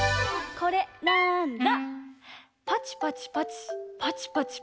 これなんだ？